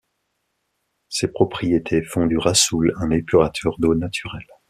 Ses propriétés font du rhassoul un épurateur d’eau naturel.